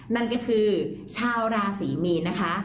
นั่นก็คือชาวราศรีมีนนะคะ